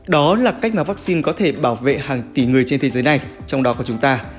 đó là cách mà vaccine có thể bảo vệ hàng tỷ người trên thế giới này trong đó có chúng ta